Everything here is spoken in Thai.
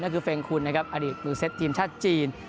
ก็คือเฟงคุณนะครับอดีตมือเซ็ตทีมชาติจีน